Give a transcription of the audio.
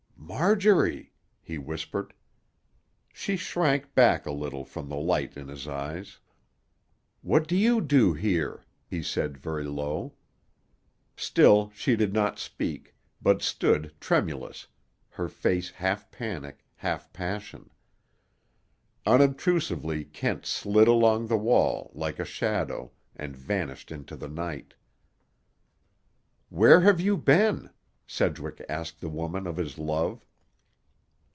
"Marjorie!" he whispered. She shrank back a little from the light in his eyes. "What do you do here?" he said very low. Still she did not speak, but stood, tremulous, her face half panic, half passion. Unobtrusively Kent slid along the wall, like a shadow, and vanished into the night. "Where have you been?" Sedgwick asked the woman of his love.